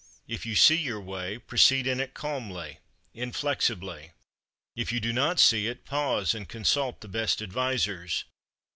If you see your way, proceed in it calmly, inflexibly. If you do not see it, pause and consult the best advisers.